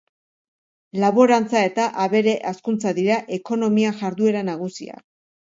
Laborantza eta abere hazkuntza dira ekonomia jarduera nagusiak.